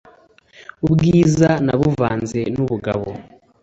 ubwiza nabuvanze n'ubugabo